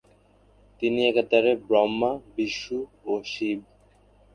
তিনি একাধারে ব্রহ্মা, বিষ্ণু ও শিব।